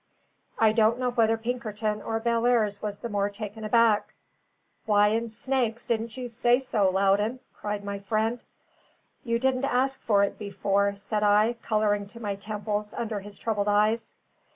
I do not know whether Pinkerton or Bellairs was the more taken aback. "Why in snakes didn't you say so, Loudon?" cried my friend. "You didn't ask for it before," said I, colouring to my temples under his troubled eyes.